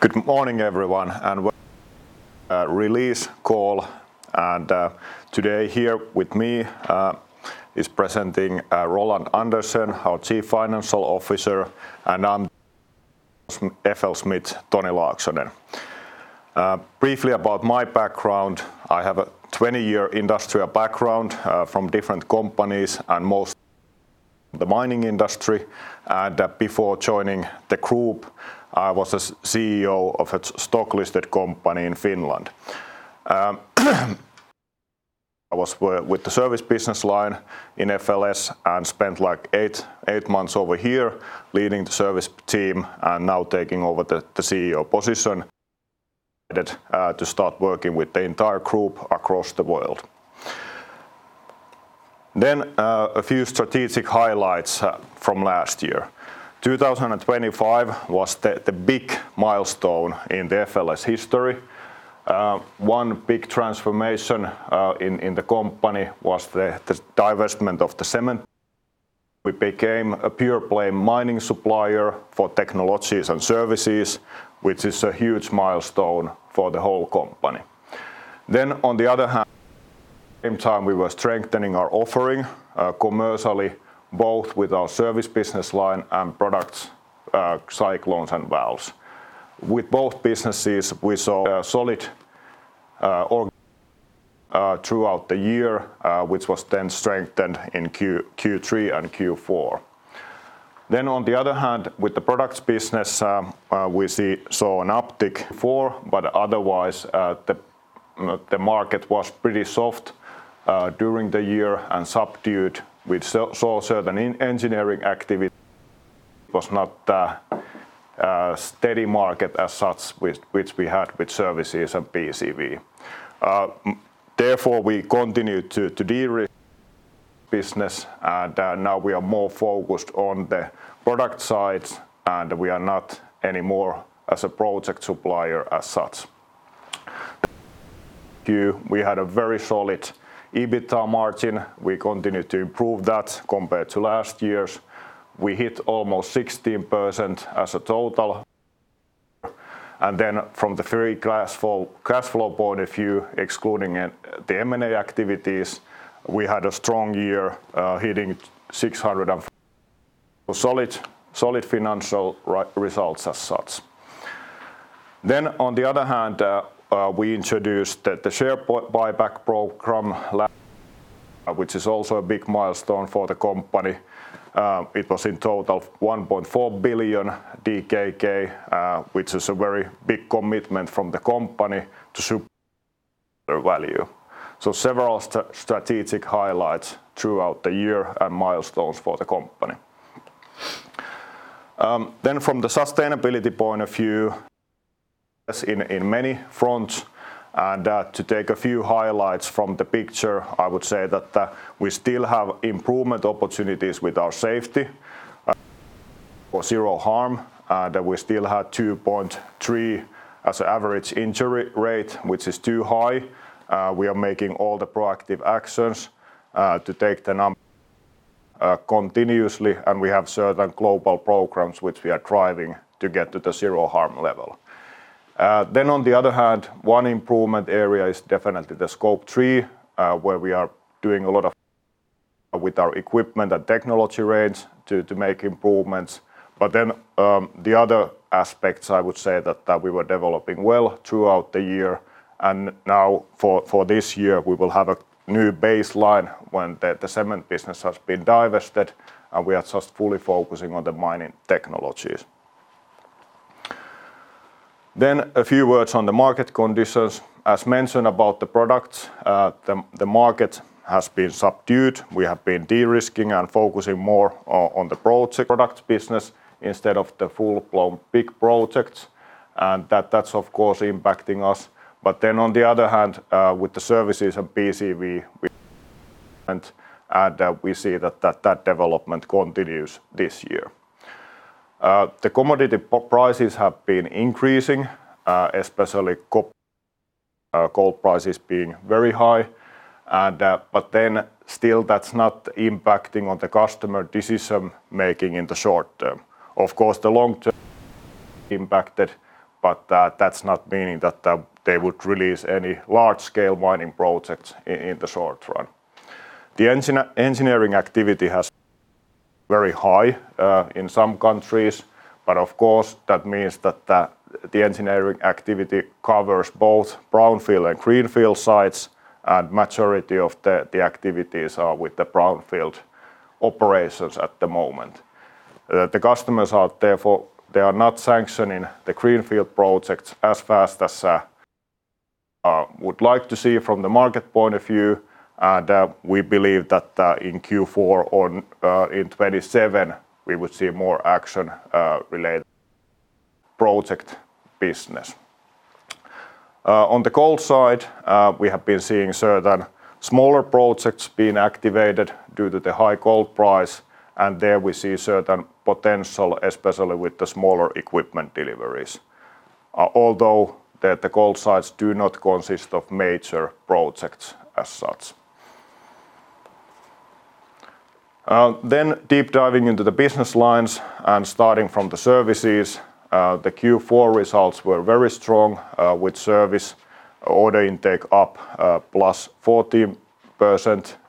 Good morning, everyone, and release call. And, today here with me, is presenting, Roland Andersen, our Chief Financial Officer, and I'm FLSmidth, Toni Laaksonen. Briefly about my background, I have a 20-year industrial background, from different companies and most the mining industry. And, before joining the group, I was a CEO of a stock-listed company in Finland. I was with the service business line in FLS and spent, like, eight months over here leading the service team and now taking over the CEO position. To start working with the entire group across the world. Then, a few strategic highlights, from last year. 2025 was the big milestone in the FLS history. One big transformation, in the company was the divestment of the cement. We became a pure-play mining supplier for technologies and services, which is a huge milestone for the whole company. On the other hand, in time, we were strengthening our offering, commercially, both with our service business line and products, cyclones and valves. With both businesses, we saw a solid, org- throughout the year, which was then strengthened in Q3 and Q4. On the other hand, with the products business, we saw an uptick four, but otherwise, the market was pretty soft during the year and subdued. We saw certain engineering activity was not a steady market as such, which we had with services and PCV. Therefore, we continued to de-risk business, and now we are more focused on the product side, and we are not anymore as a project supplier as such. You-- we had a very solid EBITDA margin. We continued to improve that compared to last year's. We hit almost 16% as a total. From the very cash flow, cash flow point of view, excluding the M&A activities, we had a strong year, hitting 600 and- a solid, solid financial results as such. On the other hand, we introduced the share buyback program last, which is also a big milestone for the company. It was in total 1.4 billion DKK, which is a very big commitment from the company to suit their value. So several strategic highlights throughout the year and milestones for the company. Then from the sustainability point of view, as in, in many fronts, and, to take a few highlights from the picture, I would say that, we still have improvement opportunities with our safety. For zero harm, that we still have 2.3 as an average injury rate, which is too high. We are making all the proactive actions, to take the number, continuously, and we have certain global programs which we are driving to get to the zero harm level. Then on the other hand, one improvement area is definitely the Scope 3, where we are doing a lot of... with our equipment and technology range to make improvements. The other aspects, I would say that we were developing well throughout the year, and now for this year, we will have a new baseline when the cement business has been divested, and we are just fully focusing on the mining technologies. A few words on the market conditions. As mentioned about the products, the market has been subdued. We have been de-risking and focusing more on the product business instead of the full-blown big projects, and that's, of course, impacting us. On the other hand, with the services and PC&V, we see that development continues this year. The commodity prices have been increasing, especially gold prices being very high, but then still, that's not impacting on the customer decision-making in the short term. Of course, the long term impacted, but that, that's not meaning that they would release any large-scale mining projects in the short run. The engineering activity has very high in some countries, but of course, that means that the engineering activity covers both brownfield and greenfield sites, and majority of the activities are with the brownfield operations at the moment. The customers are therefore they are not sanctioning the greenfield projects as fast as would like to see from the market point of view. And we believe that in Q4 or in 2027 we would see more action related project business. On the gold side, we have been seeing certain smaller projects being activated due to the high gold price, and there we see certain potential, especially with the smaller equipment deliveries, although the gold sites do not consist of major projects as such. Then deep diving into the business lines and starting from the services, the Q4 results were very strong, with service order intake up +14%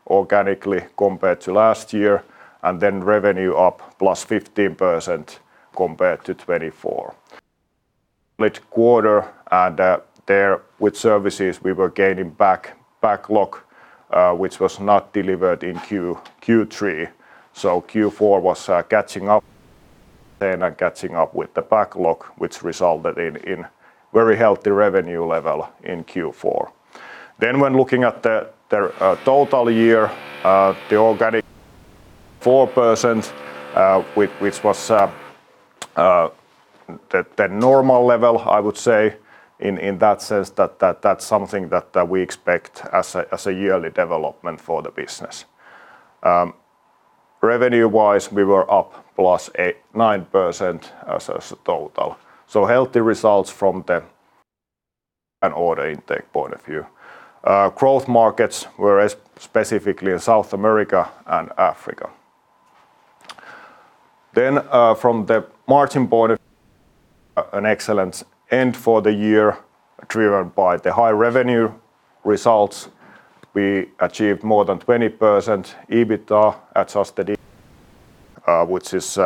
organically compared to last year, and then revenue up +15% compared to 2024. Last quarter and there with services, we were gaining back backlog, which was not delivered in Q3. So Q4 was catching up and then catching up with the backlog, which resulted in very healthy revenue level in Q4. Then when looking at the total year, the organic 4%, which was the normal level, I would say, in that sense that that's something that we expect as a yearly development for the business. Revenue-wise, we were up +8%-9% as a total. So healthy results from an order intake point of view. Growth markets were specifically in South America and Africa. Then from the margin point of view, an excellent end for the year, driven by the high revenue results. We achieved more than 20% EBITDA adjusted, which is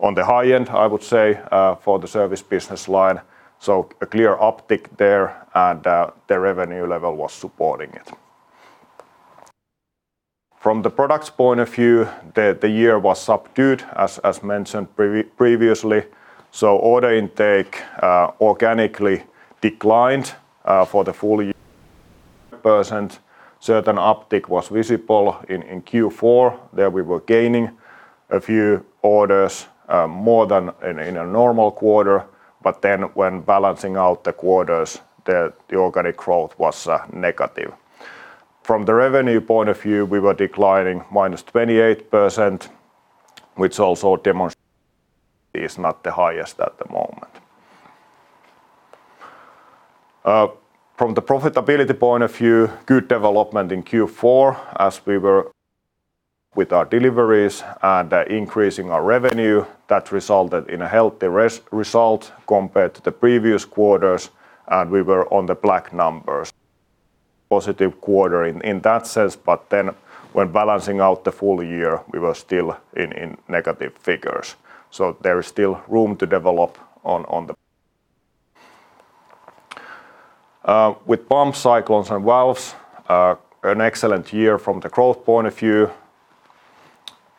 on the high end, I would say, for the service business line. So a clear uptick there, and the revenue level was supporting it. From the products point of view, the year was subdued, as mentioned previously. So order intake organically declined for the full year percent. Certain uptick was visible in Q4, there we were gaining a few orders more than in a normal quarter, but then when balancing out the quarters, the organic growth was negative. From the revenue point of view, we were declining -28%, which also demonstrates is not the highest at the moment. From the profitability point of view, good development in Q4, as we were with our deliveries and increasing our revenue, that resulted in a healthy result compared to the previous quarters, and we were on the black numbers. Positive quarter in that sense, but then when balancing out the full year, we were still in negative figures. So there is still room to develop on the with pumps, cyclones, and valves, an excellent year from the growth point of view,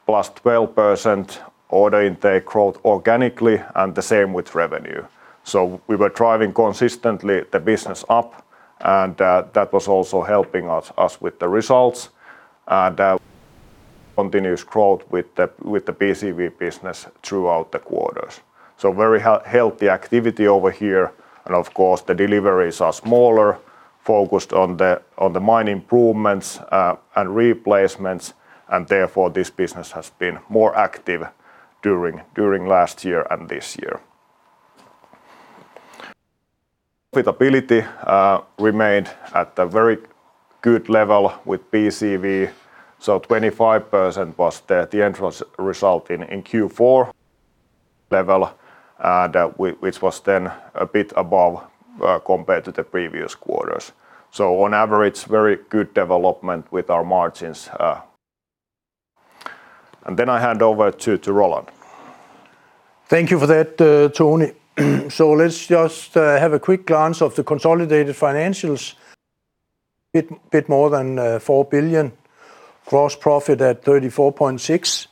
+12% order intake growth organically and the same with revenue. So we were driving consistently the business up, and that was also helping us with the results. And continuous growth with the PCV business throughout the quarters. So very healthy activity over here, and of course, the deliveries are smaller, focused on the mine improvements and replacements, and therefore, this business has been more active during last year and this year. Profitability remained at a very good level with PCV, so 25% was the end result in Q4 level, which was then a bit above compared to the previous quarters. So on average, very good development with our margins. And then I hand over to Roland. Thank you for that, Tony. Let's just have a quick glance of the consolidated financials. Bit, bit more than 4 billion, gross profit at 34.6,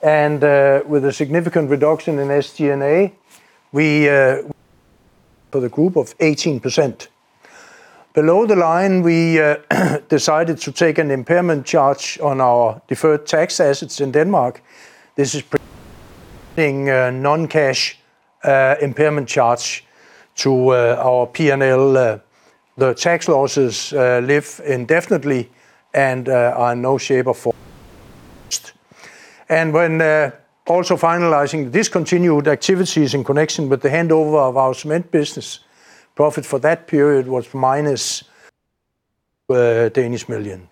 and with a significant reduction in SG&A, we, for the group, of 18%. Below the line, we decided to take an impairment charge on our deferred tax assets in Denmark. This is pre- being a non-cash impairment charge to our P&L. The tax losses live indefinitely and are in no shape or form. When also finalizing discontinued activities in connection with the handover of our cement business, profit for that period was minus million.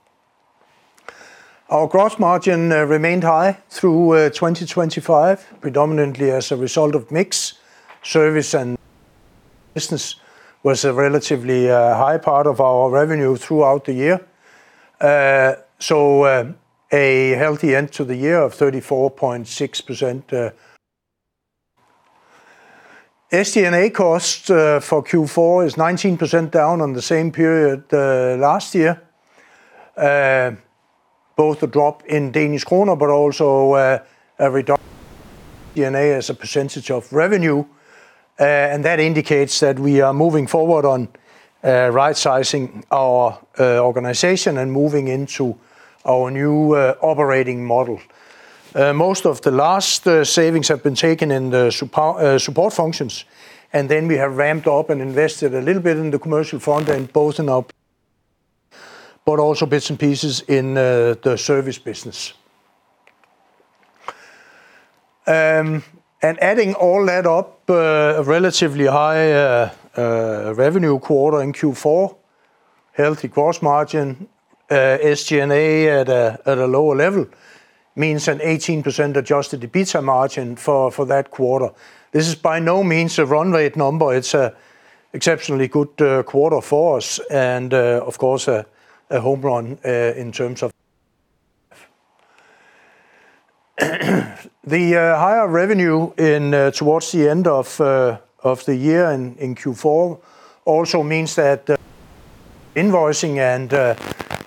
Our gross margin remained high through 2025, predominantly as a result of mix, service and business was a relatively high part of our revenue throughout the year. So, a healthy end to the year of 34.6%. SG&A costs for Q4 is 19% down on the same period last year. Both a drop in Danish kroner, but also a reduction SG&A as a percentage of revenue. And that indicates that we are moving forward on right-sizing our organization and moving into our new operating model. Most of the last savings have been taken in the support functions, and then we have ramped up and invested a little bit in the commercial front and both in our, but also bits and pieces in the service business... And adding all that up, a relatively high revenue quarter in Q4, healthy gross margin, SG&A at a lower level, means an 18% adjusted EBITDA margin for that quarter. This is by no means a run rate number. It's a exceptionally good quarter for us and, of course, a home run in terms of. The higher revenue in towards the end of the year in Q4 also means that, invoicing and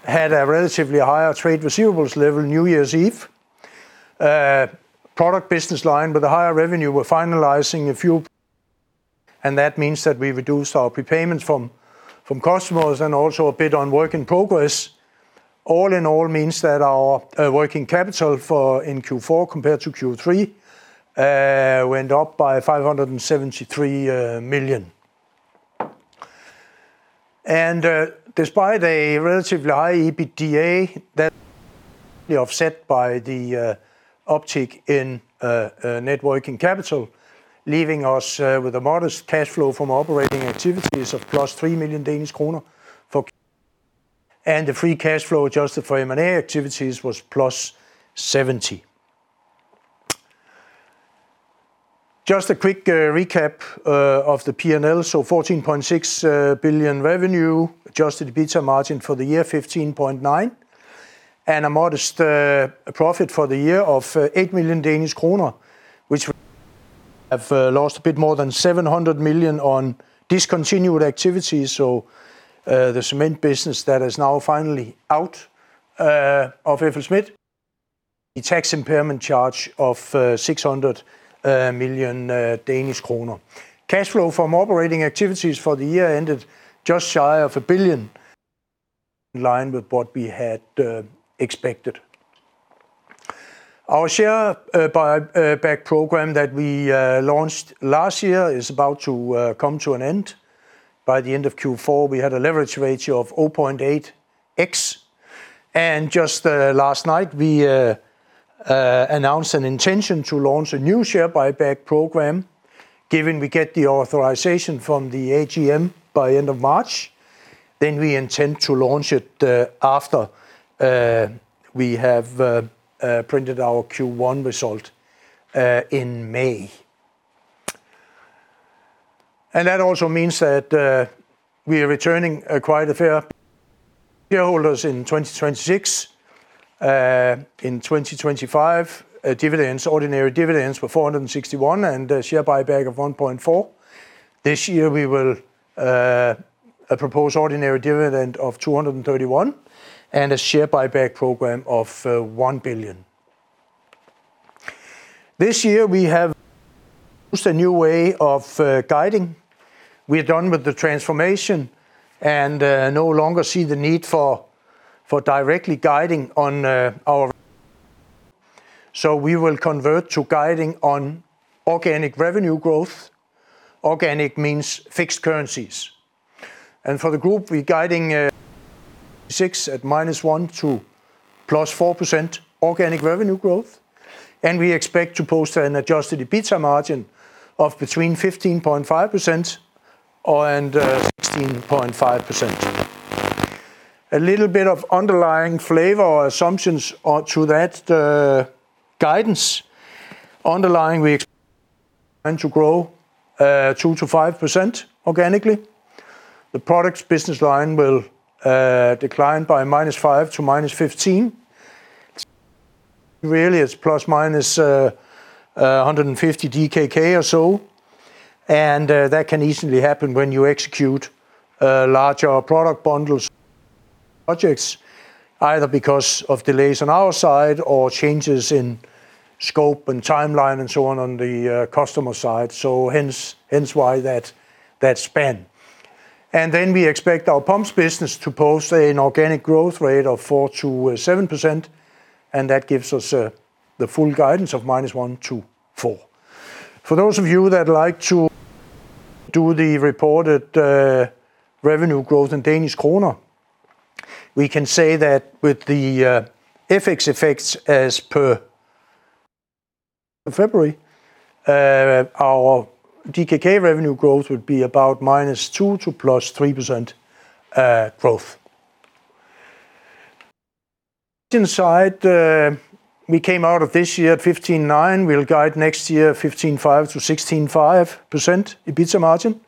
had a relatively higher trade receivables level, New Year's Eve. Product business line with a higher revenue, we're finalizing a few, and that means that we reduced our prepayments from customers, and also a bit on work in progress. All in all, means that our working capital for Q4 compared to Q3 went up by DKK 573 million. Despite a relatively high EBITDA, that offset by the uptick in net working capital, leaving us with a modest cash flow from operating activities of plus 3 million Danish kroner, and the free cash flow adjusted for M&A activities was plus 70 million. Just a quick recap of the P&L. Fourteen point six billion revenue, adjusted EBITDA margin for the year, 15.9%, and a modest profit for the year of 8 million Danish kroner, which we have lost a bit more than 700 million on discontinued activities. The cement business that is now finally out of FLSmidth. A tax impairment charge of 600 million Danish kroner. Cash flow from operating activities for the year ended just shy of 1 billion, in line with what we had expected. Our share buyback program that we launched last year is about to come to an end. By the end of Q4, we had a leverage ratio of 0.8x, and just last night, we announced an intention to launch a new share buyback program. Given we get the authorization from the AGM by end of March, then we intend to launch it after we have printed our Q1 result in May. That also means that we are returning quite a bit to shareholders in 2026. In 2025, dividends, ordinary dividends were 461 million, and a share buyback of 1.4 billion. This year, we will propose ordinary dividend of 231 million, and a share buyback program of 1 billion. This year, we have a new way of guiding. We are done with the transformation and no longer see the need for directly guiding on our, so we will convert to guiding on organic revenue growth. Organic means fixed currencies. For the group, we're guiding 6 at -1% to +4% organic revenue growth, and we expect to post an adjusted EBITDA margin of between 15.5% and 16.5%. A little bit of underlying flavor or assumptions on to that guidance. Underlying, we expect to grow 2%-5% organically. The products business line will decline by -5% to -15%. Really, it's ±150 DKK or so, and that can easily happen when you execute larger product bundles, projects, either because of delays on our side or changes in scope and timeline and so on, on the customer side. So hence why that span. And then we expect our pumps business to post an organic growth rate of 4%-7%, and that gives us the full guidance of -1 to 4. For those of you that like to do the reported revenue growth in Danish kroner, we can say that with the FX effects as per February, our DKK revenue growth would be about -2% to +3% growth. Inside, we came out of this year at 15.9%. We'll guide next year, 15.5%-16.5% EBITDA margin.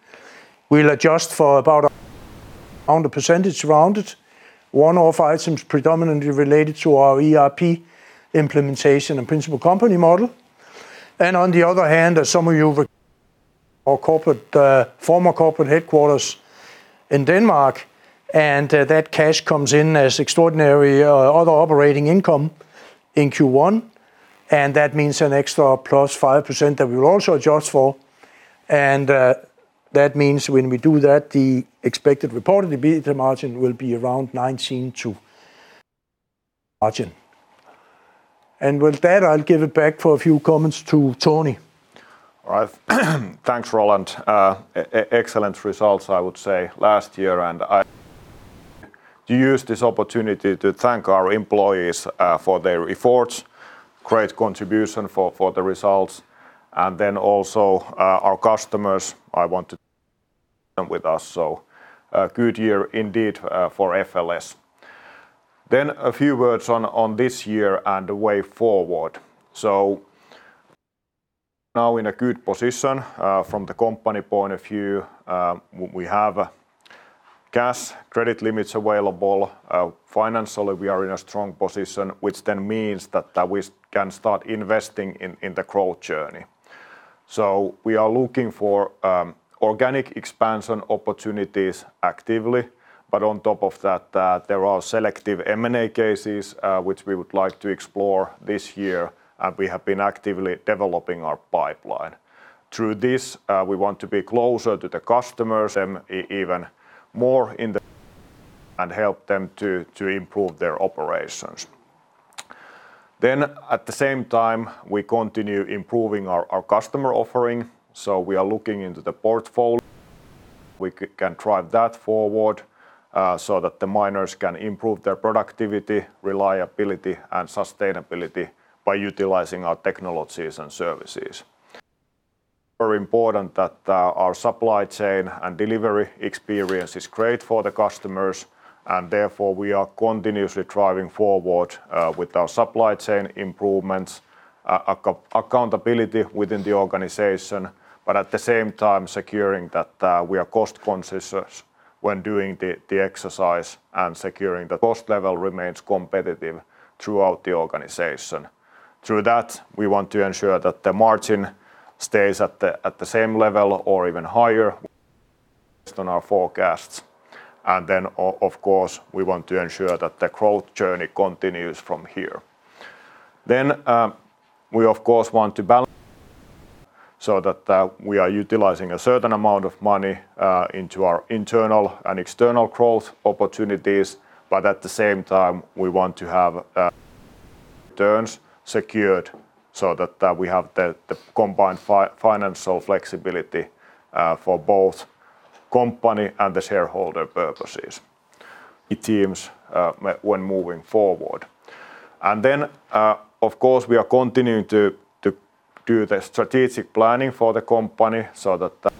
We'll adjust for about around 1%, rounded. One-off items predominantly related to our ERP implementation and principal company model. And on the other hand, as some of you, our corporate, former corporate headquarters in Denmark, and that cash comes in as extraordinary, other operating income in Q1, and that means an extra +5% that we will also adjust for. And that means when we do that, the expected reported EBITDA margin will be around 19%-20% margin. And with that, I'll give it back for a few comments to Toni. All right. Thanks, Roland. Excellent results, I would say, last year, and to use this opportunity to thank our employees for their efforts, great contribution for the results, and then also our customers, I want to thank with us. So a good year indeed and therefore, we are continuously driving forward with our supply chain improvements, accountability within the organization, but at the same time securing that we are cost conscious when doing the exercise and securing the cost level remains competitive throughout the organization. Through that, we want to ensure that the margin stays at the same level or even higher on our forecasts. And then, of course, we want to ensure that the growth journey continues from here. Then, we, of course, want to balance so that we are utilizing a certain amount of money into our internal and external growth opportunities, but at the same time, we want to have secured so that we have the combined financial flexibility for both company and the shareholder purposes. It seems when moving forward. And then, of course, we are continuing to do the strategic planning for the company so that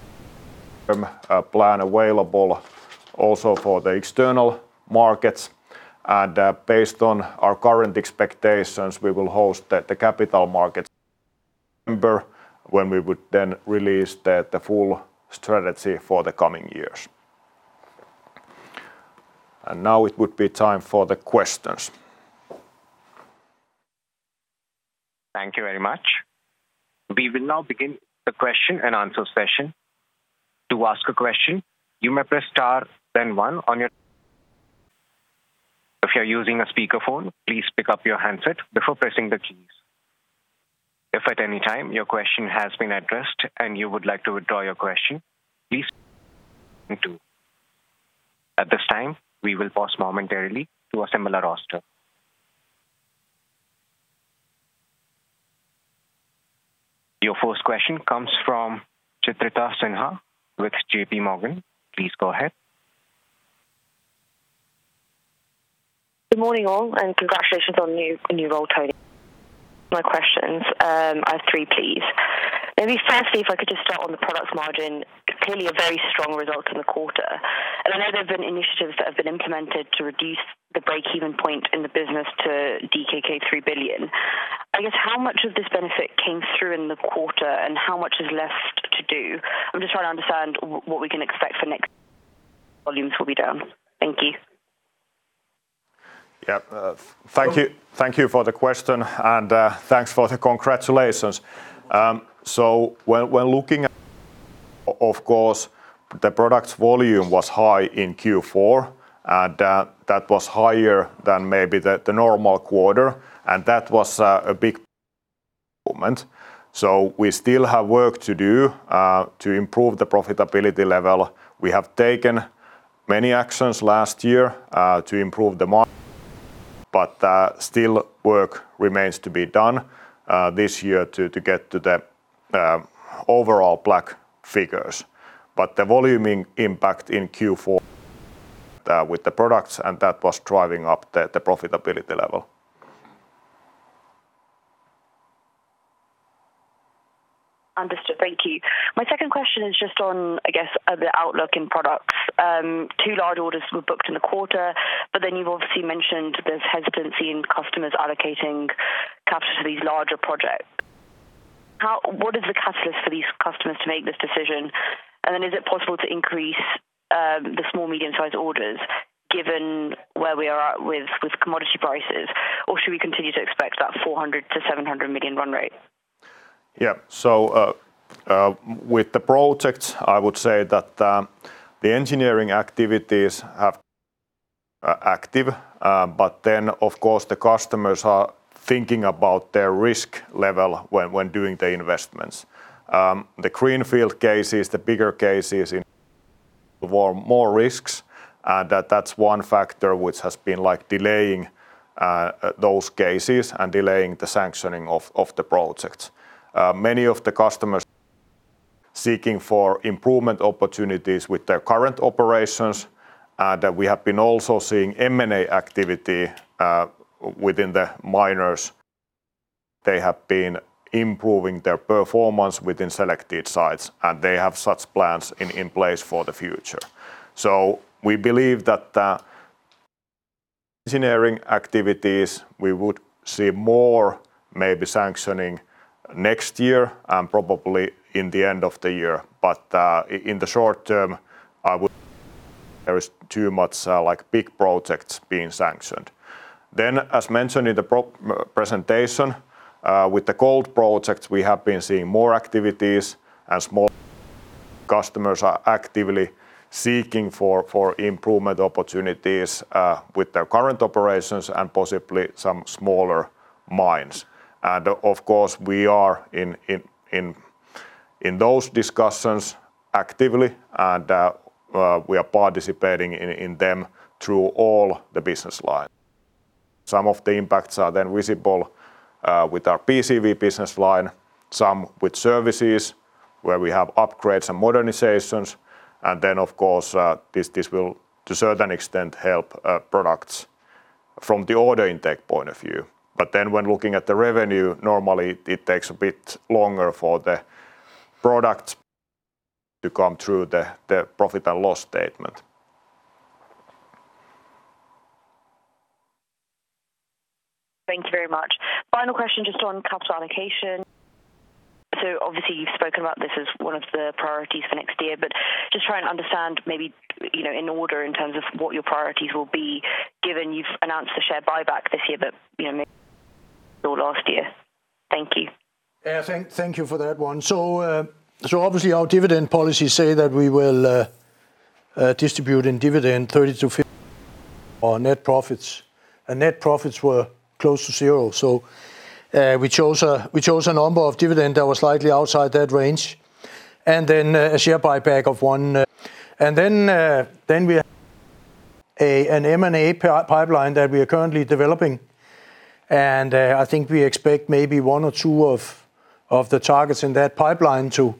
a plan available also for the external markets. Based on our current expectations, we will host the Capital Markets Day when we would then release the full strategy for the coming years. Now it would be time for the questions. Thank you very much. We will now begin the question and answer session. To ask a question, you may press star, then one on your... If you're using a speakerphone, please pick up your handset before pressing the keys. If at any time your question has been addressed and you would like to withdraw your question, please... At this time, we will pause momentarily to assemble our roster. Your first question comes from Chitrita Sinha with J.P. Morgan. Please go ahead. Good morning, all, and congratulations on your new role, Toni. My questions, I have three, please. Maybe firstly, if I could just start on the products margin, clearly a very strong result in the quarter. I know there have been initiatives that have been implemented to reduce the break-even point in the business to DKK 3 billion. I guess, how much of this benefit came through in the quarter, and how much is left to do? I'm just trying to understand what we can expect for next... volumes will be down. Thank you. Yeah, thank you for the question, and thank you for the congratulations. When looking at, of course, the product volume was high in Q4, and that was higher than maybe the normal quarter, and that was a big moment. We still have work to do to improve the profitability level. We have taken many actions last year to improve the mar- but still work remains to be done this year to get to the overall black figures. The volume in impact in Q4 with the products, and that was driving up the profitability level. Understood. Thank you. My second question is just on, I guess, the outlook in products. Two large orders were booked in the quarter, but then you've obviously mentioned there's hesitancy in customers allocating capital to these larger projects. What is the catalyst for these customers to make this decision? And then is it possible to increase the small, medium-sized orders, given where we are at with commodity prices? Or should we continue to expect that 400 million-700 million run rate? Yeah. So, with the projects, I would say that the engineering activities have active, but then, of course, the customers are thinking about their risk level when doing the investments. The Greenfield cases, the bigger cases in more risks, and that's one factor which has been, like, delaying those cases and delaying the sanctioning of the projects. Many of the customers seeking for improvement opportunities with their current operations, that we have been also seeing M&A activity within the miners. They have been improving their performance within selected sites, and they have such plans in place for the future. So we believe that the engineering activities, we would see more maybe sanctioning next year and probably in the end of the year. But, in the short term, I would—there is too much, like, big projects being sanctioned. Then, as mentioned in the pro presentation, with the gold projects, we have been seeing more activities as more customers are actively seeking for improvement opportunities with their current operations and possibly some smaller mines. And of course, we are in those discussions actively, and we are participating in them through all the business lines. Some of the impacts are then visible with our PCV business line, some with services, where we have upgrades and modernizations. And then, of course, this will, to a certain extent, help products from the order intake point of view. But then when looking at the revenue, normally it takes a bit longer for the products to come through the profit and loss statement. Thank you very much. Final question, just on capital allocation. So obviously, you've spoken about this as one of the priorities for next year, but just trying to understand maybe, you know, in order in terms of what your priorities will be, given you've announced a share buyback this year, but, you know, maybe last year. Thank you. Yeah, thank you for that one. So, obviously, our dividend policies say that we will distribute in dividend 30-50 our net profits, and net profits were close to zero. So, we chose a number of dividend that was slightly outside that range, and then a share buyback of one. And then, we have an M&A pipeline that we are currently developing, and I think we expect maybe one or two of the targets in that pipeline to...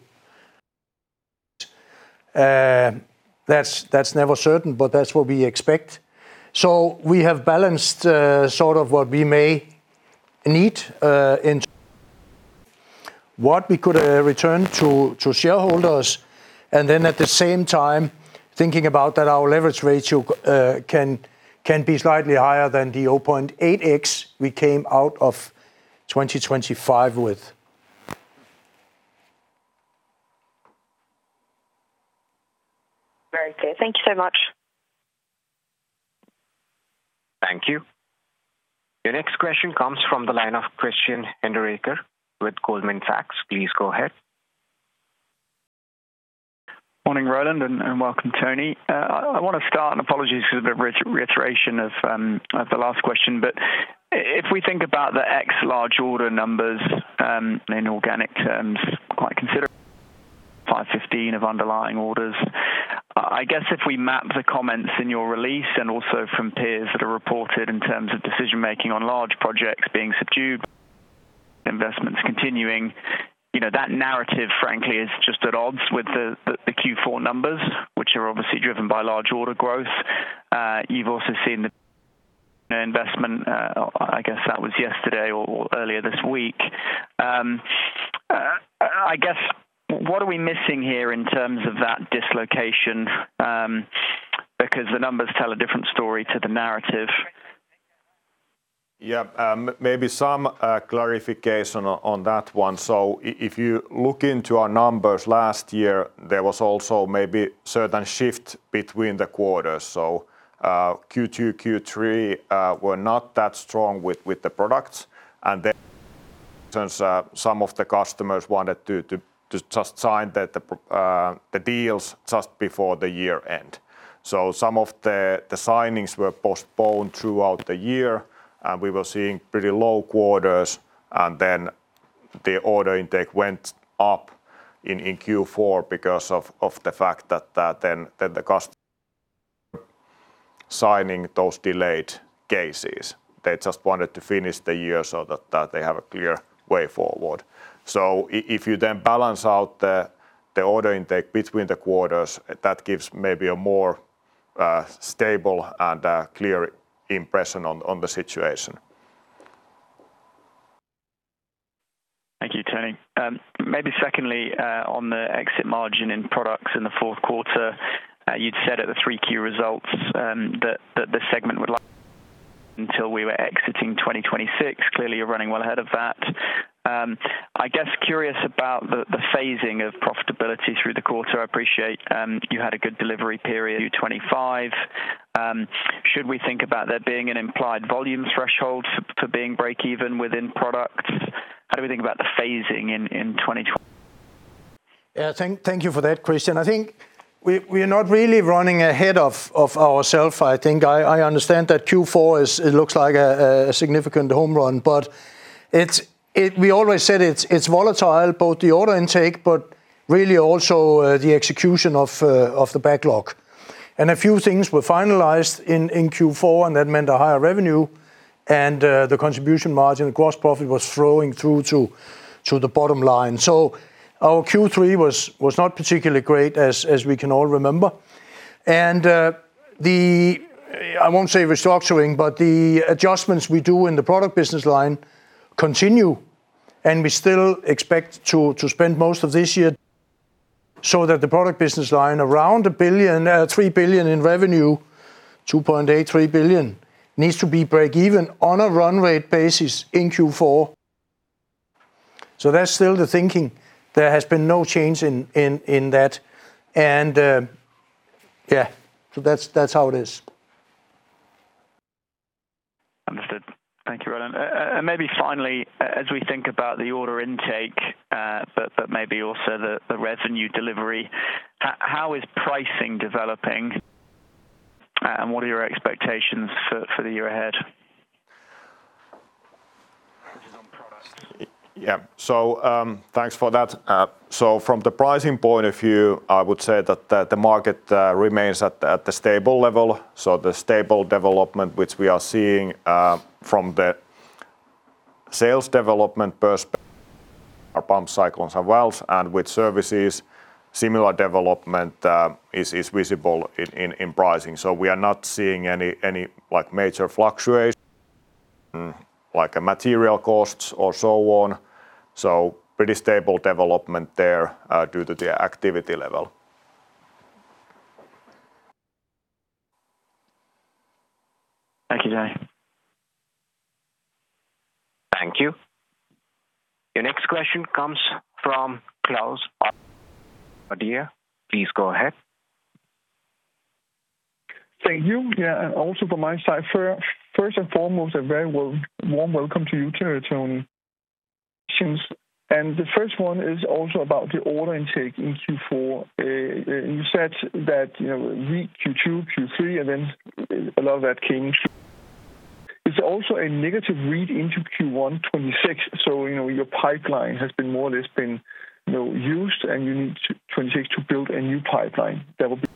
That's never certain, but that's what we expect. We have balanced sort of what we may need in what we could return to shareholders, and then, at the same time, thinking about that our leverage ratio can be slightly higher than the 0.8x we came out of 2025 with. Very good. Thank you so much. Thank you. Your next question comes from the line of Christian Hinderaker with Goldman Sachs. Please go ahead. Morning, Roland, and welcome, Toni. I want to start, and apologies for the reiteration of the last question, but if we think about the X large order numbers, in organic terms, quite considerable, 515 million of underlying orders. I guess if we map the comments in your release, and also from peers that are reported in terms of decision making on large projects being subdued, investments continuing, you know, that narrative, frankly, is just at odds with the Q4 numbers, which are obviously driven by large order growth. You've also seen the investment, I guess that was yesterday or earlier this week. I guess, what are we missing here in terms of that dislocation? Because the numbers tell a different story to the narrative. Yeah, maybe some clarification on that one. So if you look into our numbers last year, there was also maybe certain shift between the quarters. So, Q2, Q3 were not that strong with the products, and then since some of the customers wanted to just sign the deals just before the year end. So some of the signings were postponed throughout the year, and we were seeing pretty low quarters, and then the order intake went up in Q4 because of the fact that then the customer signing those delayed cases. They just wanted to finish the year so that they have a clear way forward. If you then balance out the order intake between the quarters, that gives maybe a more stable and clear impression on the situation. Thank you, Toni. Maybe secondly, on the exit margin in products in the fourth quarter, you'd said at the three-quarter results, that the segment would like until we were exiting 2026. Clearly, you're running well ahead of that. I guess, curious about the phasing of profitability through the quarter. I appreciate you had a good delivery period, 2025. Should we think about there being an implied volume threshold for being break even within products? How do we think about the phasing in 2020? Yeah, thank you for that question. I think we are not really running ahead of ourselves. I think I understand that Q4 is—it looks like a significant home run, but it's—we always said it's volatile, both the order intake, but really also the execution of the backlog. And a few things were finalized in Q4, and that meant a higher revenue, and the contribution margin, the gross profit, was flowing through to the bottom line. So our Q3 was not particularly great as we can all remember. I won't say restructuring, but the adjustments we do in the product business line continue, and we still expect to spend most of this year so that the product business line, around 2.8 billion-3 billion in revenue, needs to be breakeven on a run rate basis in Q4. So that's still the thinking. There has been no change in that. And, yeah, so that's how it is. Understood. Thank you, Roland. And maybe finally, as we think about the order intake, but maybe also the revenue delivery, how is pricing developing, and what are your expectations for the year ahead? On product. Yeah. So, thanks for that. So from the pricing point of view, I would say that the market remains at the stable level. So the stable development, which we are seeing, from the sales development perspective, are pumps, cyclones as well, and with services, similar development is visible in pricing. So we are not seeing any like major fluctuation, like material costs or so on. So pretty stable development there, due to the activity level. Thank you, Toni. Thank you. Your next question comes from Claus, Nordea. Please go ahead. Thank you. Yeah, and also from my side, first and foremost, a very warm welcome to you, Toni. And the first one is also about the order intake in Q4. You said that, you know, we Q2, Q3, and then a lot of that came through. It's also a negative read into Q1 2026, so, you know, your pipeline has more or less been used, and you need to transit to build a new pipeline. That would be-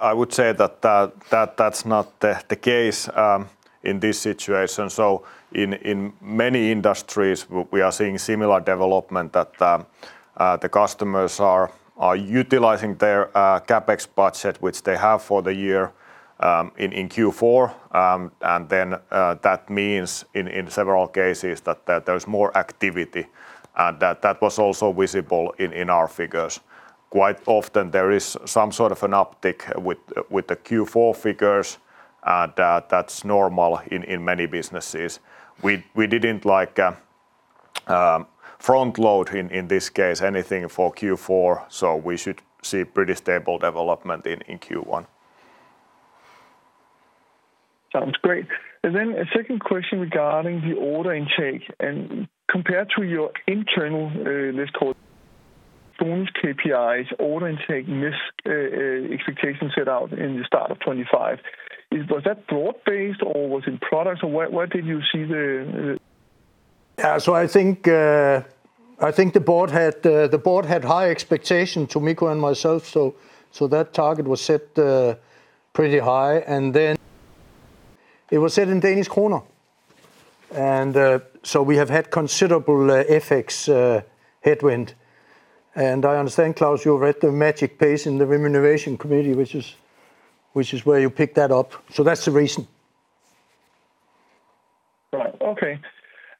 I would say that that's not the case in this situation. So in many industries, we are seeing similar development that the customers are utilizing their CapEx budget, which they have for the year, in Q4. And then that means in several cases, there's more activity, and that was also visible in our figures. Quite often there is some sort of an uptick with the Q4 figures, that's normal in many businesses. We didn't front load in this case, anything for Q4, so we should see pretty stable development in Q1. Sounds great. And then a second question regarding the order intake, and compared to your internal, let's call KPIs, order intake, missed, expectations set out in the start of 2025. Is, was that broad-based, or was it products, or where, where did you see the, Yeah, so I think, I think the board had, the board had high expectation to Mikko and myself, so, so that target was set, pretty high. And then it was set in Danish kroner. And, so we have had considerable, FX, headwind. And I understand, Klaus, you read the minutes page in the remuneration committee, which is, which is where you picked that up. So that's the reason. Right. Okay.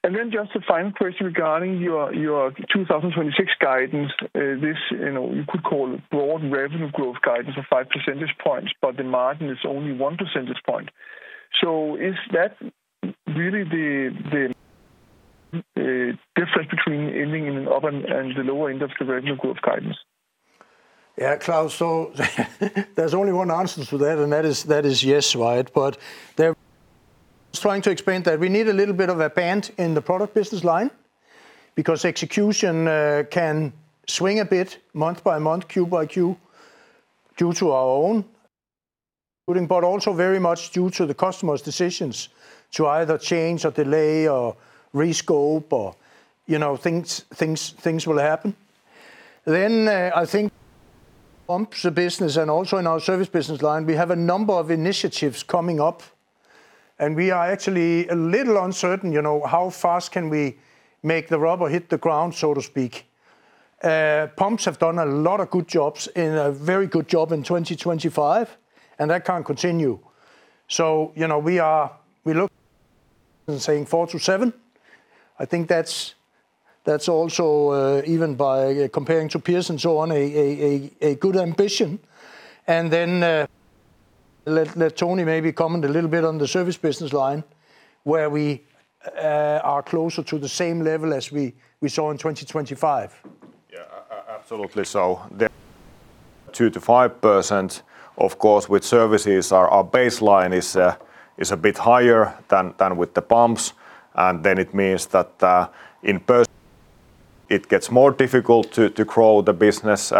And then just a final question regarding your, your 2026 guidance. This, you know, you could call it broad revenue growth guidance of 5 percentage points, but the margin is only 1 percentage point. So is that really the difference between ending in an upper and the lower end of the revenue growth guidance? Yeah, Klaus, so, there's only one answer to that, and that is, that is yes, right? But they're trying to explain that we need a little bit of a band in the product business line because execution can swing a bit month by month, Q by Q, due to our own, but also very much due to the customers' decisions to either change or delay or rescope or, you know, things, things, things will happen. Then, I think pumps the business, and also in our service business line, we have a number of initiatives coming up, and we are actually a little uncertain, you know, how fast can we make the rubber hit the ground, so to speak. Pumps have done a lot of good jobs and a very good job in 2025, and that can't continue. So, you know, we are, we look and saying 4-7, I think that's, that's also, even by comparing to peers and so on, a good ambition. And then, let Tony maybe comment a little bit on the service business line, where we are closer to the same level as we saw in 2025. Absolutely. So the 2%-5%, of course, with services, our baseline is a bit higher than with the pumps, and then it means that in percent, it gets more difficult to grow the business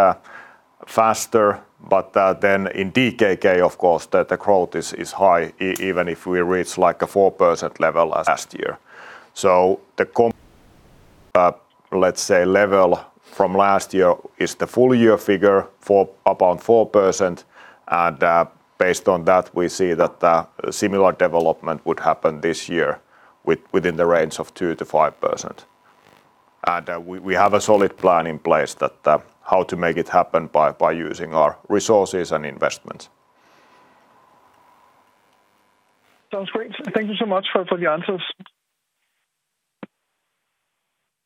faster. But then in DKK, of course, the growth is high even if we reach like a 4% level as last year. But let's say level from last year is the full year figure for around 4%, and based on that, we see that similar development would happen this year within the range of 2%-5%. And we have a solid plan in place that how to make it happen by using our resources and investments. Sounds great. Thank you so much for the answers.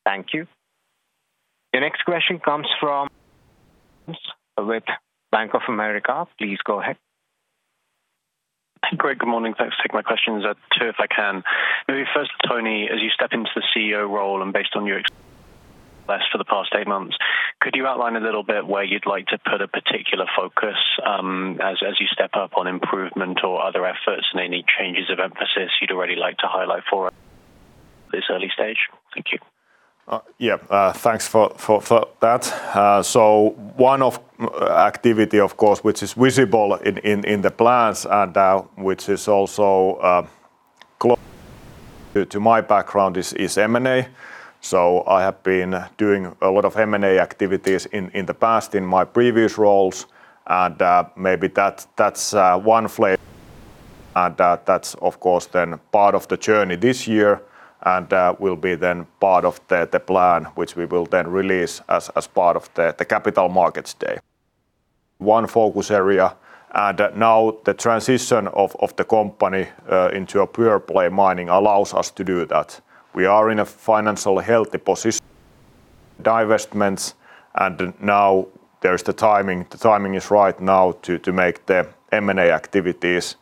Thank you. Your next question comes from [inaudible] Jones with Bank of America. Please go ahead. Great, good morning. Thanks for taking my questions, 2, if I can. Maybe first, Toni, as you step into the CEO role, and based on your experience for the past 8 months, could you outline a little bit where you'd like to put a particular focus, as you step up on improvement or other efforts, and any changes of emphasis you'd already like to highlight for this early stage? Thank you. Yeah. Thanks for that. So one activity, of course, which is visible in the plans and which is also close to my background is M&A. So I have been doing a lot of M&A activities in the past, in my previous roles, and maybe that's one flavor. And that's, of course, then part of the journey this year, and will be then part of the plan, which we will then release as part of the Capital Markets Day. One focus area, and now the transition of the company into a pure play mining allows us to do that. We are in a financial healthy position, divestments, and now there is the timing. The timing is right now to make the M&A activities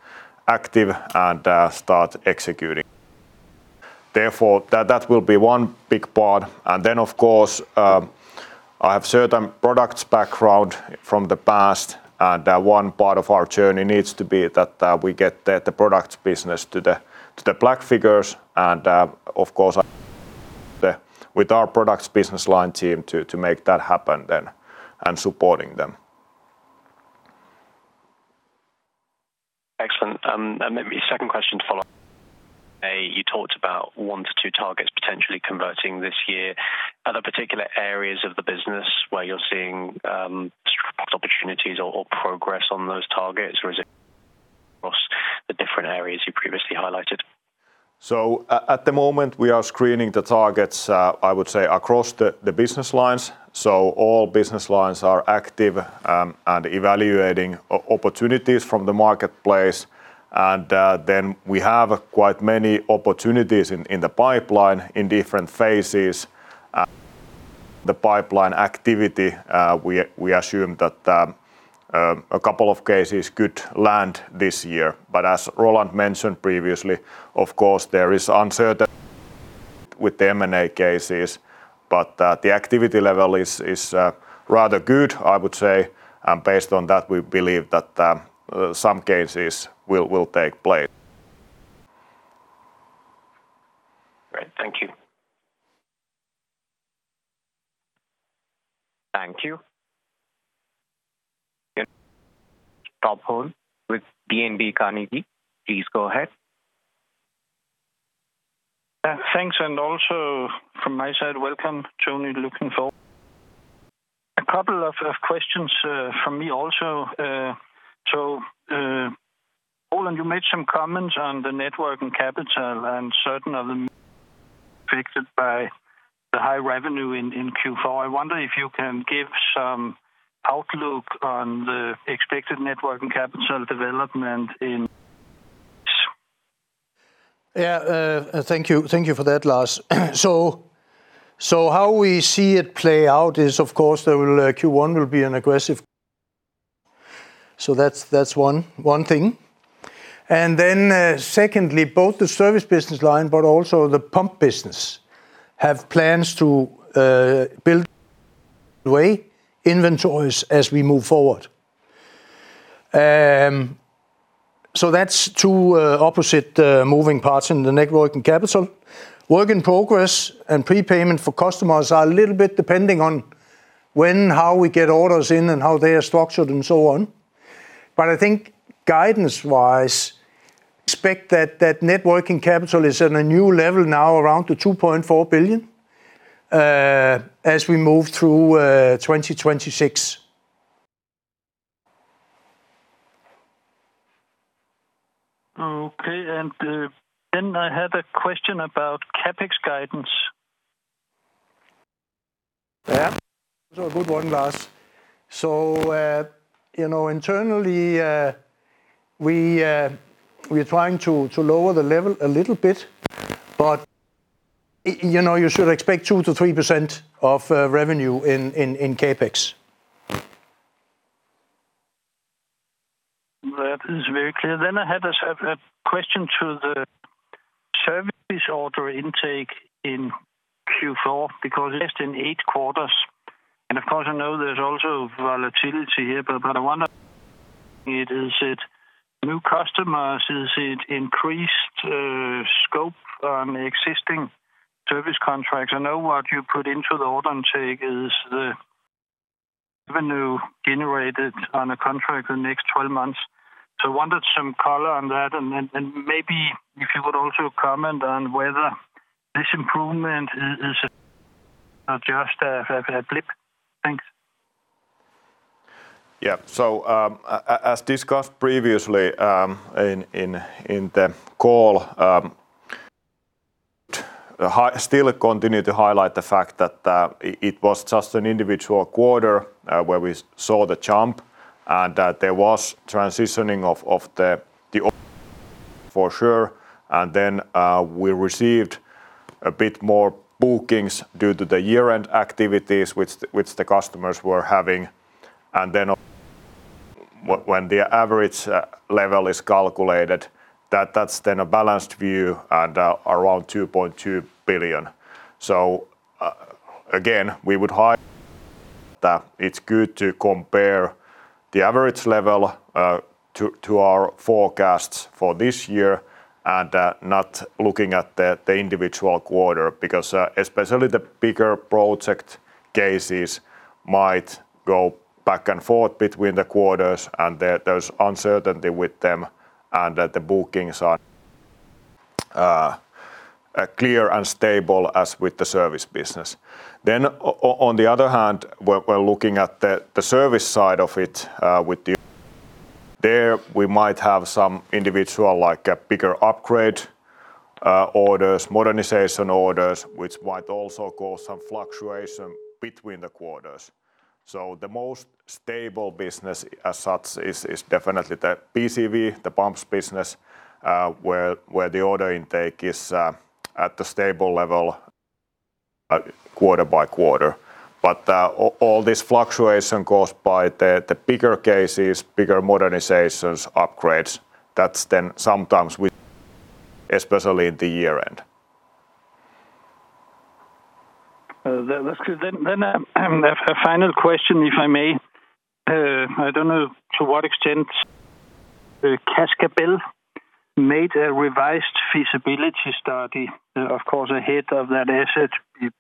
active and start executing. Therefore, that will be one big part, and then, of course, I have certain products background from the past, and one part of our journey needs to be that we get the products business to the black figures, and, of course, with our products business line team to make that happen then and supporting them. Excellent. And maybe second question to follow up. You talked about one to two targets potentially converting this year. Are there particular areas of the business where you're seeing opportunities or progress on those targets, or is it across the different areas you previously highlighted? So at the moment, we are screening the targets. I would say across the business lines. So all business lines are active and evaluating opportunities from the marketplace. And then we have quite many opportunities in the pipeline, in different phases. The pipeline activity, we assume that a couple of cases could land this year. But as Roland mentioned previously, of course, there is uncertainty with the M&A cases, but the activity level is rather good, I would say. And based on that, we believe that some cases will take place. Great. Thank you. Thank you. Lars Topholm with DNB Carnegie. Please go ahead. Thanks, and also from my side, welcome, Tony. Looking forward. A couple of questions from me also, so, Roland, you made some comments on the net working capital, and certain of them affected by the high revenue in Q4. I wonder if you can give some outlook on the expected net working capital development in Q4? Yeah, thank you. Thank you for that, Lars. So, so how we see it play out is, of course, there will, Q1 will be an aggressive. So that's, that's one, one thing. And then, secondly, both the service business line, but also the pump business, have plans to, build the way inventories as we move forward. So that's two, opposite, moving parts in the networking capital. Work in progress and prepayment for customers are a little bit depending on when, how we get orders in, and how they are structured, and so on. But I think guidance-wise, expect that, that networking capital is in a new level now, around 2.4 billion, as we move through, 2026. Okay, and, then I had a question about CapEx guidance. Yeah, it's a good one, Lars. So, you know, internally, we are trying to lower the level a little bit, but, you know, you should expect 2%-3% of revenue in CapEx. That is very clear. Then I had a question to the service order intake in Q4, because just in eight quarters, and of course, I know there's also volatility here, but I wonder, is it new customers, is it increased scope on the existing service contracts? I know what you put into the order intake is revenue generated on a contract the next 12 months. So I wanted some color on that, and then maybe if you could also comment on whether this improvement is just a blip? Thanks. Yeah. So, as discussed previously, in the call, the highlights still continue to highlight the fact that it was just an individual quarter where we saw the jump, and that there was transitioning of the for sure. And then we received a bit more bookings due to the year-end activities, which the customers were having. And then when the average level is calculated, that's then a balanced view and around 2.2 billion. So, again, we would highlight that it's good to compare the average level to our forecasts for this year, and not looking at the individual quarter, because especially the bigger project cases might go back and forth between the quarters, and there's uncertainty with them, and that the bookings are clear and stable as with the service business. Then on the other hand, we're looking at the service side of it with the... There, we might have some individual, like a bigger upgrade orders, modernization orders, which might also cause some fluctuation between the quarters. So the most stable business as such is definitely the PCV, the pumps business, where the order intake is at the stable level quarter by quarter. But, all this fluctuation caused by the bigger cases, bigger modernizations, upgrades, that's then sometimes with, especially at the year-end. That, that's good. Then, a final question, if I may. I don't know to what extent Cascabel made a revised feasibility study, of course, ahead of that asset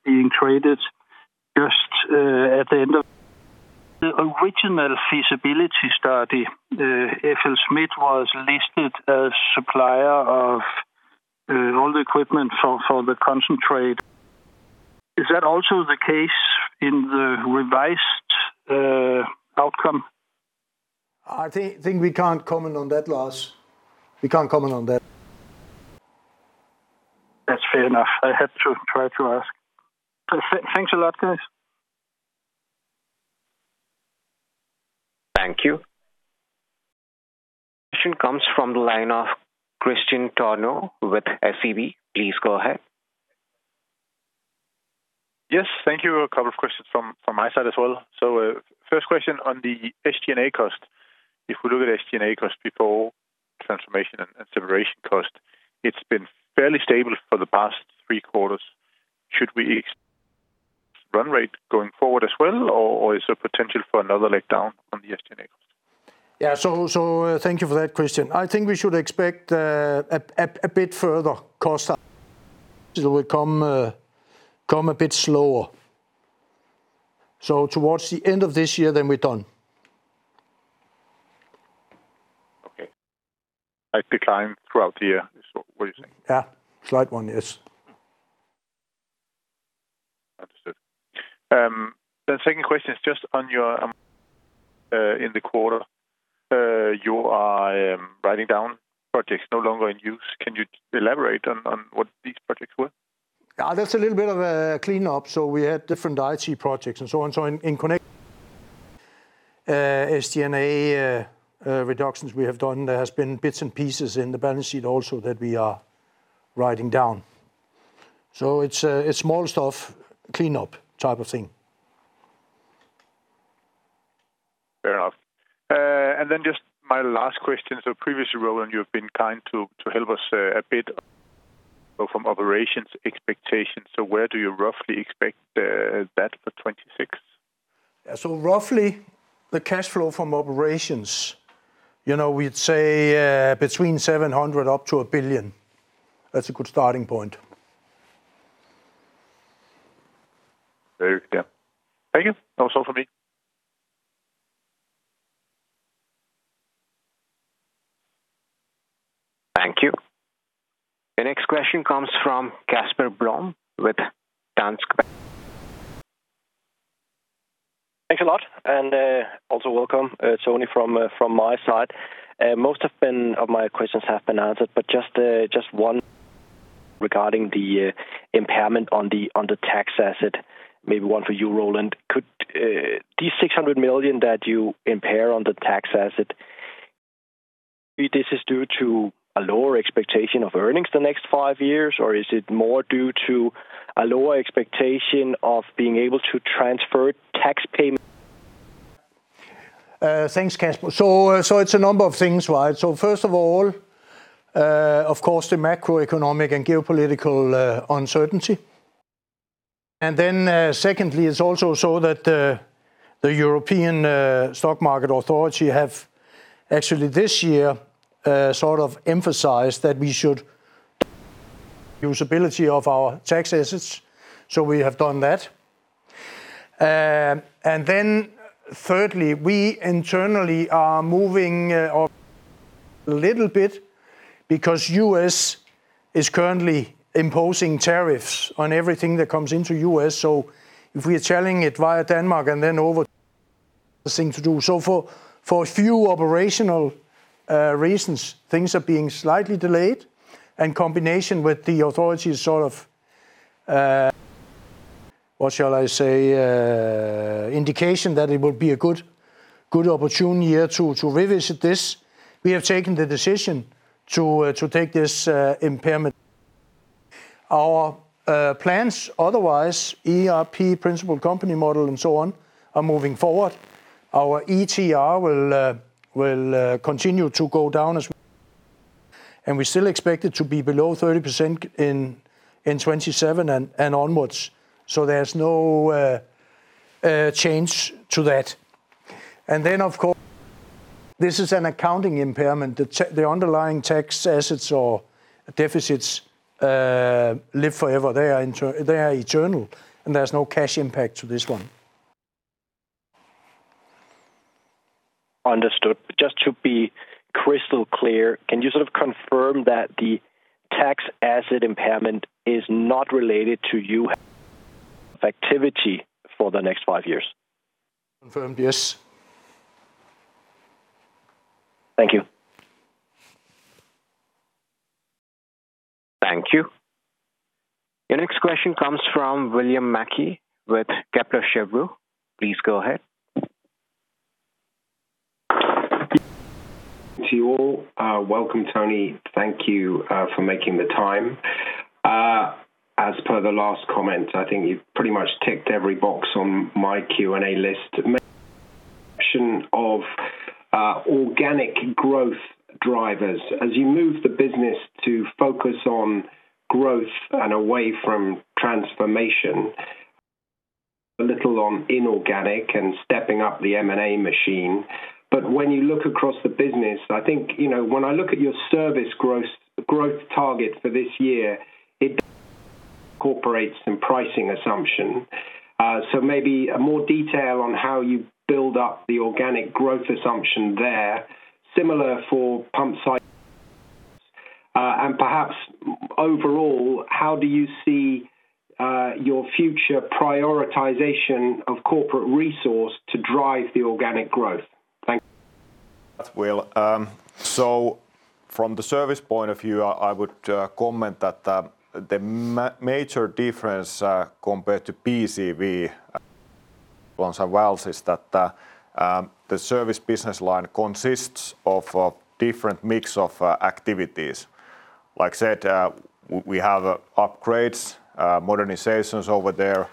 being traded just at the end of... The original feasibility study, FLSmidth was listed as supplier of all the equipment for the concentrate. Is that also the case in the revised outcome? I think we can't comment on that, Lars. We can't comment on that. That's fair enough. I had to try to ask. Thanks a lot, guys. Thank you. Question comes from the line of Christian Tornau with SEB. Please go ahead. Yes, thank you. A couple of questions from my side as well. So, first question on the SG&A cost. If we look at SG&A cost before transformation and separation cost, it's been fairly stable for the past three quarters. Should we run rate going forward as well, or is there potential for another leg down on the SG&A cost? Yeah, so, so, thank you for that, Christian. I think we should expect a bit further cost, so it will come a bit slower. So towards the end of this year, then we're done. Okay. Like, decline throughout the year, so what do you think? Yeah. Slight one, yes. Understood. The second question is just on your in the quarter you are writing down projects no longer in use. Can you elaborate on what these projects were? That's a little bit of a cleanup, so we had different IT projects and so on. So in SG&A reductions we have done, there has been bits and pieces in the balance sheet also that we are writing down. So it's small stuff, cleanup type of thing. Fair enough. And then just my last question. Previously, Roland, you've been kind to help us a bit from operations expectations. So where do you roughly expect that for 2026? Yeah. So roughly the cash flow from operations, you know, we'd say, between 700 million up to 1 billion. That's a good starting point. Very clear. Thank you. That was all for me. Thank you. The next question comes from Kasper Blom with Danske Bank. Thanks a lot, and also welcome, Toni, from my side. Most of my questions have been answered, but just one regarding the impairment on the tax asset, maybe one for you, Roland. Could these 600 million that you impair on the tax asset, this is due to a lower expectation of earnings the next five years, or is it more due to a lower expectation of being able to transfer tax payment? Thanks, Kasper. It's a number of things, right? First of all, of course, the macroeconomic and geopolitical uncertainty. Secondly, it's also so that the European stock market authority have actually this year sort of emphasized that we should—usability of our tax assets, so we have done that. Thirdly, we internally are moving a little bit because US is currently imposing tariffs on everything that comes into US. If we are selling it via Denmark and then over, the thing to do. For a few operational reasons, things are being slightly delayed, and in combination with the authority's sort of, what shall I say, indication that it will be a good, good opportunity to revisit this. We have taken the decision to take this impairment. Our plans, otherwise, ERP, principal company model, and so on, are moving forward. Our ETR will continue to go down, and we still expect it to be below 30% in 2027 and onwards. So there's no change to that. And then, of course, this is an accounting impairment. The underlying tax assets or deficits live forever. They are eternal, and there's no cash impact to this one. Understood. Just to be crystal clear, can you sort of confirm that the tax asset impairment is not related to your activity for the next five years? Confirmed, yes. Thank you. Thank you. Your next question comes from William Mackie with Kepler Cheuvreux. Please go ahead. To you all, welcome, Tony. Thank you for making the time. As per the last comment, I think you've pretty much ticked every box on my Q&A list. Mention of organic growth drivers. As you move the business to focus on growth and away from transformation, a little on inorganic and stepping up the M&A machine. But when you look across the business, I think, you know, when I look at your service growth target for this year, it incorporates some pricing assumption. So maybe more detail on how you build up the organic growth assumption there. Similar for pump site, and perhaps overall, how do you see your future prioritization of corporate resource to drive the organic growth? Thank you. Well, so from the service point of view, I would comment that the major difference compared to PCV on some wells is that the service business line consists of a different mix of activities. Like I said, we have upgrades, modernizations over there,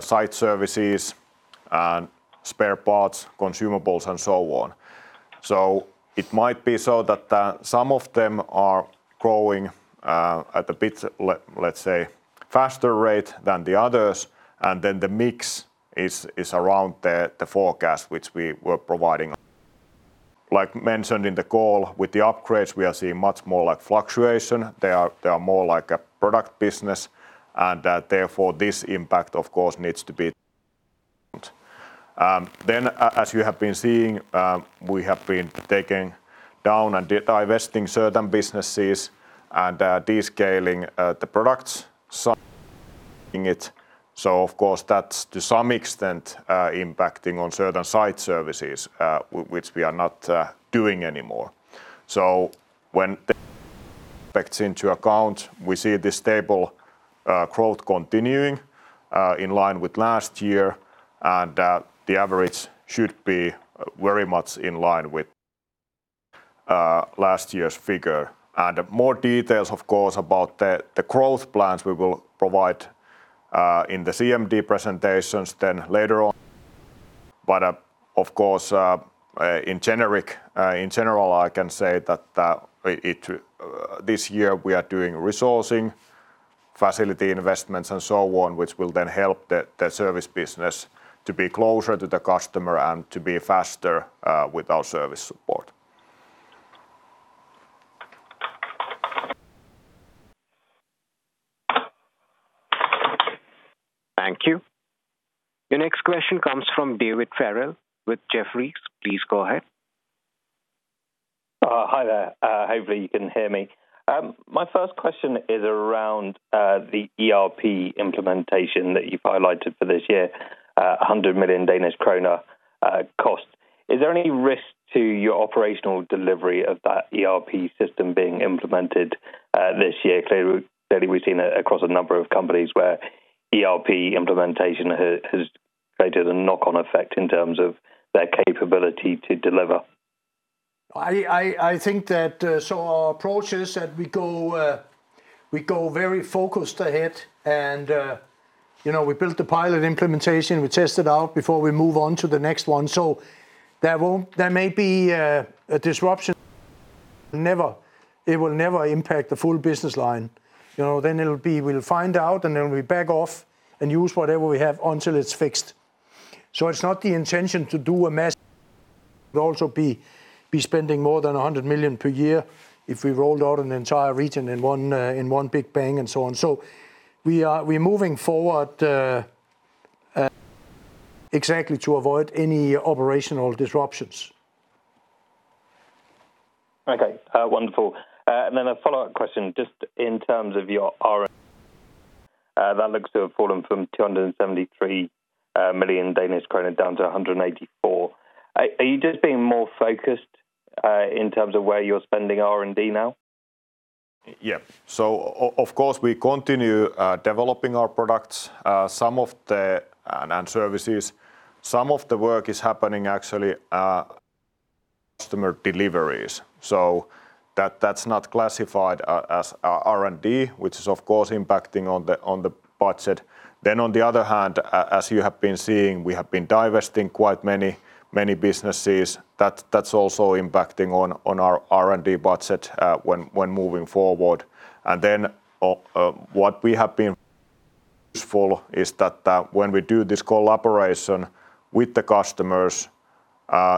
site services and spare parts, consumables, and so on. So it might be so that some of them are growing at a bit, let's say, faster rate than the others, and then the mix is around the forecast which we were providing. Like mentioned in the call, with the upgrades, we are seeing much more like fluctuation. They are more like a product business, and therefore, this impact, of course, needs to be. As you have been seeing, we have been taking down and divesting certain businesses and descaling the products, so of course, that's to some extent impacting on certain site services, which we are not doing anymore. When takes into account, we see this stable growth continuing, in line with last year, and the average should be very much in line with last year's figure. More details, of course, about the growth plans we will provide in the CMD presentations later on. Of course, in general, I can say that this year we are doing resourcing, facility investments, and so on, which will then help the service business to be closer to the customer and to be faster with our service support. Thank you. Your next question comes from David Farrell with Jefferies. Please go ahead. Hi there. Hopefully you can hear me. My first question is around the ERP implementation that you've highlighted for this year, 100 million Danish kroner cost. Is there any risk to your operational delivery of that ERP system being implemented this year? Clearly, we've seen it across a number of companies where ERP implementation has created a knock-on effect in terms of their capability to deliver. I think that, so our approach is that we go very focused ahead and, you know, we built the pilot implementation, we test it out before we move on to the next one. So there may be a disruption. It will never impact the full business line. You know, then it'll be, we'll find out, and then we back off and use whatever we have until it's fixed. So it's not the intention to do a mess. We'll also be spending more than 100 million per year if we rolled out an entire region in one big bang and so on. So we're moving forward exactly to avoid any operational disruptions. Okay. Wonderful. And then a follow-up question, just in terms of your R&D. That looks to have fallen from 273 million Danish kroner down to 184 million. Are you just being more focused in terms of where you're spending R&D now? Yeah. Of course, we continue developing our products. Some of the, and services, some of the work is happening actually, customer deliveries. That's not classified as R&D, which is, of course, impacting on the budget. On the other hand, as you have been seeing, we have been divesting quite many, many businesses. That's also impacting on our R&D budget when moving forward. What we have been useful is that, when we do this collaboration with the customers,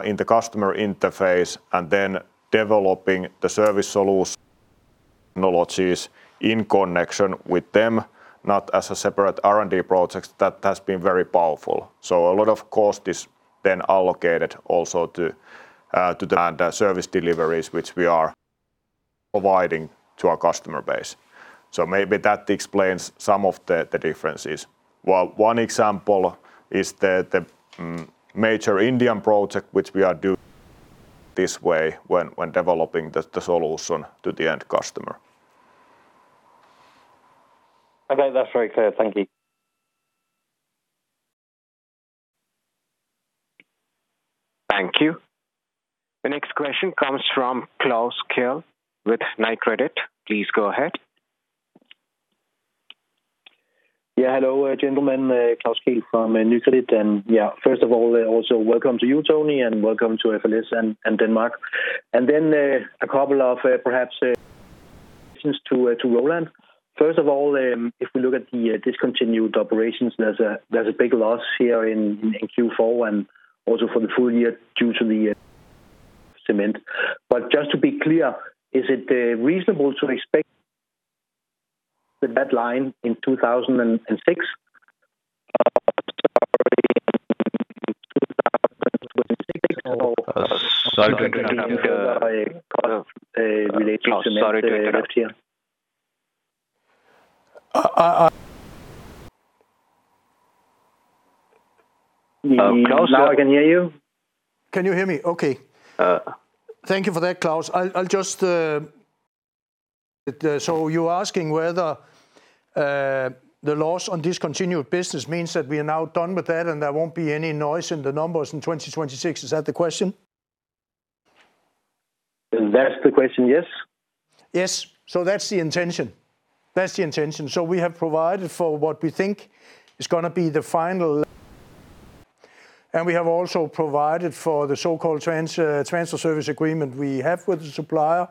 in the customer interface, and then developing the service solution technologies in connection with them, not as a separate R&D project, that has been very powerful. So a lot of cost is then allocated also to the end service deliveries, which we are providing to our customer base. So maybe that explains some of the differences. Well, one example is the major Indian project, which we are doing this way when developing the solution to the end customer. Okay, that's very clear. Thank you. Thank you. The next question comes from Klaus Kehl with Nykredit. Please go ahead. Yeah, hello, gentlemen. Klaus Kehl from Nykredit, and yeah, first of all, also welcome to you, Tony, and welcome to FLS and Denmark. And then, a couple of, perhaps, questions to Roland. First of all, if we look at the discontinued operations, there's a big loss here in Q4, and also for the full year due to the cement. But just to be clear, is it reasonable to expect the deadline in 2006? Sorry, 2006 or- Uh, so- Related to... Sorry to interrupt you. I, I, I- Klaus, I can hear you. Can you hear me? Okay. Uh- Thank you for that, Klaus. I'll just... So you're asking whether the loss on discontinued business means that we are now done with that, and there won't be any noise in the numbers in 2026, is that the question? That's the question, yes. Yes. So that's the intention. That's the intention. So we have provided for what we think is gonna be the final, and we have also provided for the so-called transfer service agreement we have with the supplier,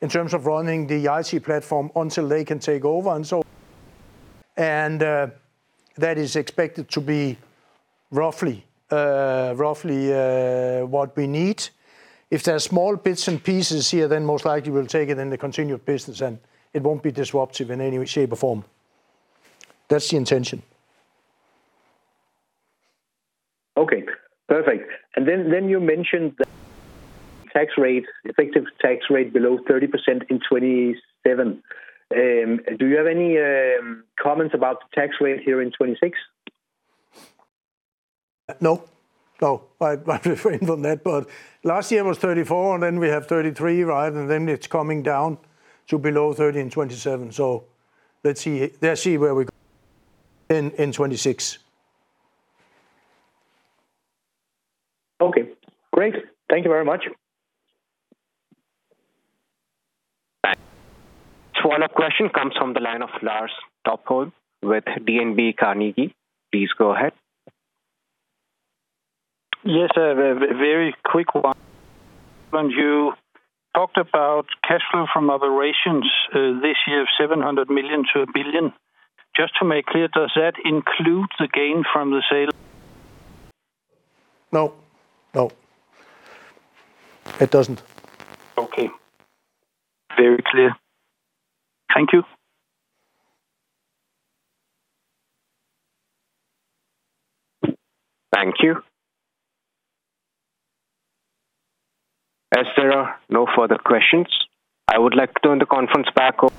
in terms of running the IT platform until they can take over, and so... And, that is expected to be roughly what we need. If there are small bits and pieces here, then most likely we'll take it in the continued business, and it won't be disruptive in any way, shape, or form. That's the intention. Okay, perfect. And then you mentioned the tax rate, effective tax rate below 30% in 2027. Do you have any comments about the tax rate here in 2026? No. No, I, I'll refrain from that, but last year was 34, and then we have 33, right? And then it's coming down to below 30 and 27. So let's see, let's see where we go in, in 2026. Okay, great. Thank you very much. Thanks. So one up question comes from the line of Lars Topholm with DNB Carnegie. Please go ahead. Yes, very quick one. When you talked about cash flow from operations, this year of 700 million-1 billion, just to make clear, does that include the gain from the sale? No. No, it doesn't. Okay. Very clear. Thank you. Thank you. As there are no further questions, I would like to turn the conference back over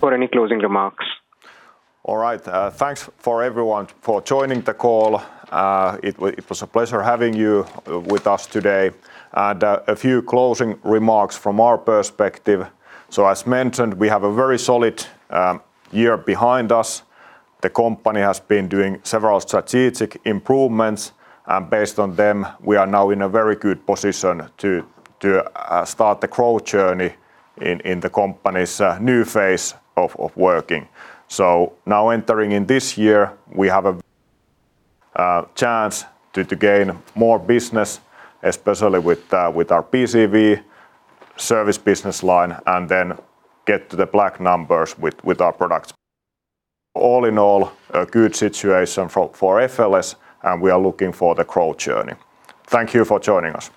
for any closing remarks. All right. Thanks for everyone for joining the call. It was a pleasure having you with us today. And a few closing remarks from our perspective. So as mentioned, we have a very solid year behind us. The company has been doing several strategic improvements, and based on them, we are now in a very good position to start the growth journey in the company's new phase of working. So now entering in this year, we have a chance to gain more business, especially with our PCV service business line, and then get to the black numbers with our products. All in all, a good situation for FLS, and we are looking for the growth journey. Thank you for joining us.